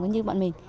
như bọn mình